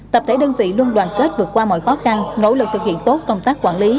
tập thể đơn vị luôn đoàn kết vượt qua mọi khó khăn nỗ lực thực hiện tốt công tác quản lý